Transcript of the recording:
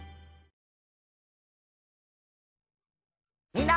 みんな。